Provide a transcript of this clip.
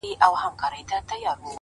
اخلاص د زړه ژبه ده؛